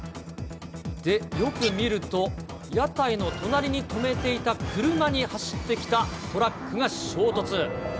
で、よく見ると、屋台の隣に止めていた車に走ってきたトラックが衝突。